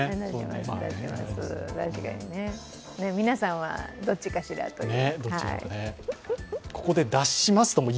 皆さんはどっちかしらという。